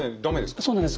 そうなんです。